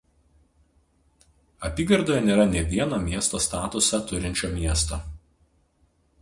Apygardoje nėra nė vieno miesto statusą turinčio miesto.